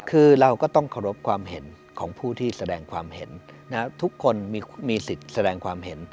คือเราก็ต้องเคารพความเห็นของผู้ที่แสดงความเห็นทุกคนมีสิทธิ์แสดงความเห็น